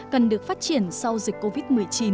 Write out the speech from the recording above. cần được phát triển sau dịch covid một mươi chín